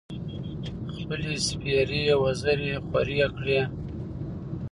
خپـلې سپـېرې وزرې خـورې کـړې.